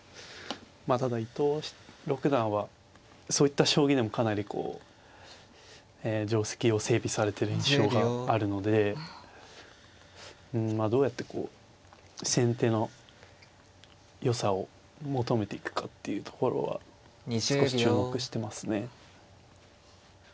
まあただ伊藤六段はそういった将棋でもかなりこう定跡を整備されてる印象があるのでうんまあどうやってこう先手のよさを求めていくかっていうところは少し注目してますね。